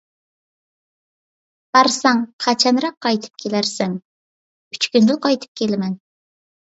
− بارساڭ قاچانراق قايتىپ كېلەرسەن؟ − ئۈچ كۈندىلا قايتىپ كېلىمەن.